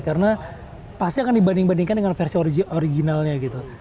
karena pasti akan dibanding bandingkan dengan versi originalnya gitu